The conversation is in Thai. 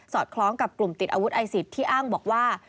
คล้องกับกลุ่มติดอาวุธไอซิสที่อ้างบอกว่า